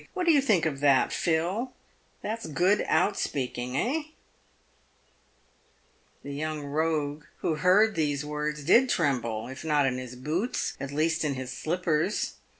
"What do you think of that, Phil ? That's good outspeaking, eh ?" The young rogue who heard these words did tremble, if not in his boots, at least in his slippers.